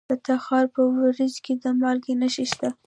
د تخار په ورسج کې د مالګې نښې شته.